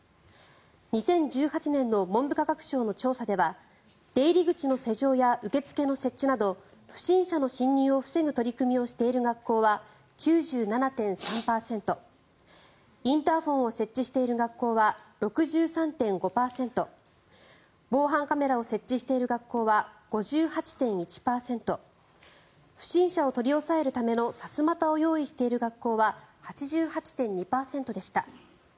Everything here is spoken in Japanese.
２０１８年の文部科学省の調査では出入り口の施錠や受付の設置など不審者の侵入を防ぐ取り組みをしている学校は９７．３％インターホンを設置している学校は６３．５％防犯カメラを設置している学校は５８．１％不審者を取り押さえるためのさすまたを用意している学校は８８．２％でした。